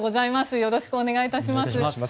よろしくお願いします。